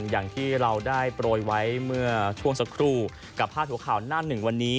อย่างที่เราได้โปรยไว้เมื่อช่วงสักครู่กับพาดหัวข่าวหน้าหนึ่งวันนี้